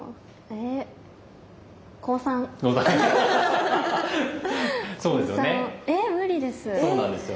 えっ無理です。